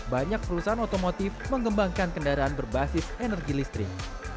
banyak perusahaan otomotif mengembangkan kendaraan berbasis energi listrik